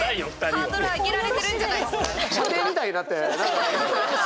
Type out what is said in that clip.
これハードル上げられてるんじゃないっすか？